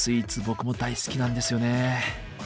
僕も大好きなんですよね。